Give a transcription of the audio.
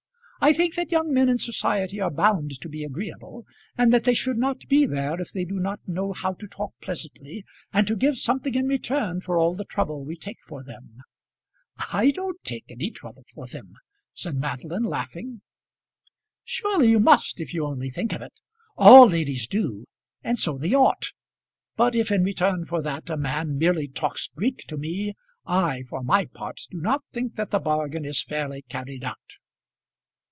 I think that young men in society are bound to be agreeable, and that they should not be there if they do not know how to talk pleasantly, and to give something in return for all the trouble we take for them." "I don't take any trouble for them," said Madeline laughing. "Surely you must, if you only think of it. All ladies do, and so they ought. But if in return for that a man merely talks Greek to me, I, for my part, do not think that the bargain is fairly carried out."